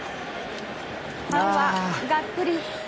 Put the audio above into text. ファンはがっくり。